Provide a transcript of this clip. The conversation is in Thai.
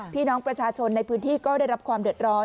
พี่น้องประชาชนในพื้นที่ก็ได้รับความเดือดร้อน